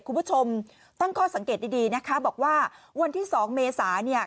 คุณผู้ชมตั้งข้อสังเกตดีนะคะบอกว่าวันที่๒เมษาเนี่ย